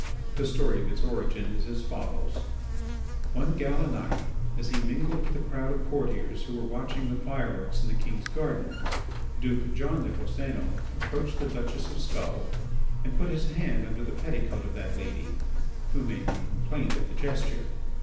The story of its origin is as follows: One gala night, as he mingled with the crowd of courtiers who were watching the fire works in the king's garden, Duke John des Boscénos approached the Duchess of Skull and put his hand under the petticoat of that lady, who made no complaint at the gesture.